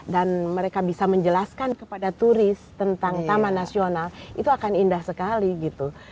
dan mereka bisa menjelaskan kepada turis tentang taman nasional itu akan indah sekali gitu